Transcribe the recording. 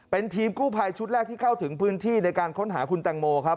เป็นทีมกู้ภัยชุดแรกที่เข้าถึงพื้นที่ในการค้นหาคุณแตงโมครับ